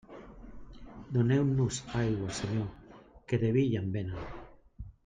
Doneu-nos aigua, Senyor, que de vi ja en venen.